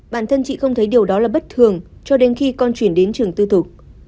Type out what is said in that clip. bản thân chị không thấy điều đó là bất thường cho đến khi con chuyển đến trường tư thục